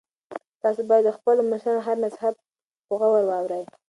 تاسو باید د خپلو مشرانو هر نصیحت په غور واورئ.